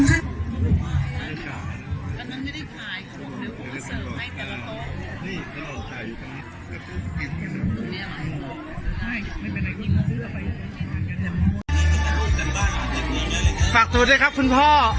ฝากตัวด้วยครับคุณพ่อ